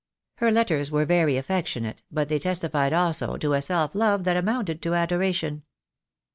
Her letters were very af fectionate, but they testified also to a self love that amounted to adoration.